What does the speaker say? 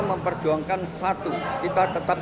memperjuangkan satu kita tetap